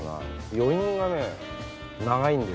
余韻がね長いんですよ